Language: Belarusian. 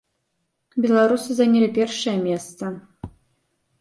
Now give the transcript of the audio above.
Беларусы занялі першае месца.